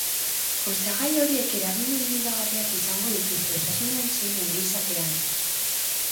Osagai horiek eragin onuragarriak izango dituzte osasunean zein ongizatean.